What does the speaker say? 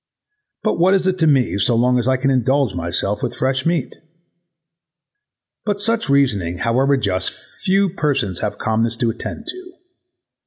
But what is this to me so long as I can indulge myself with fresh meat? But such reasoning, however just, few persons have calmness to attend to.